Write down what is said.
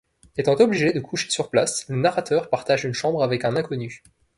Étant obligé de coucher sur place, le narrateur partage une chambre avec un inconnu.